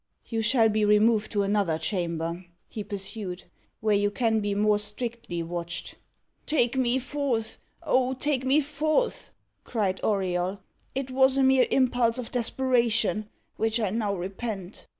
"You shall be removed to another chamber," he pursued, "where you can be more strictly watched." "Take me forth oh! take me forth," cried Auriol. "It was a mere impulse of desperation, which I now repent."